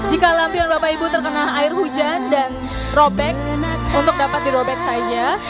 jika lampion bapak ibu terkena air hujan dan robek untuk dapat dirobek saja